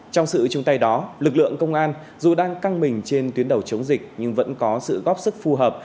trong sự chung tay đó lực lượng công an dù đang căng mình trên tuyến đầu chống dịch nhưng vẫn có sự góp sức phù hợp